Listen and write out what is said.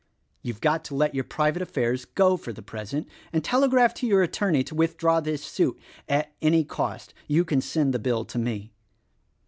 You've got to let your private affairs go for the present, and telegraph to your attorney to with draw this suit — at any cost. You can send the bill to me."